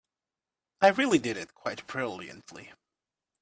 I really did it quite brilliantly.